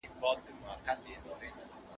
ولې د ښاري خلکو عادتونه له کلیوالو سره فرق لري؟